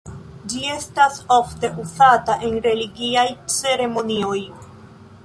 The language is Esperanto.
Ĝi estas ofte uzata en religiaj ceremonioj.